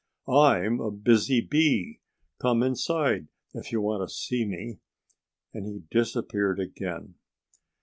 "I'm a busy bee. Come inside if you want to see me!" And he disappeared again.